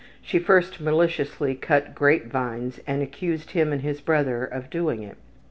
She first maliciously cut grape vines and accused him and his brother of doing it.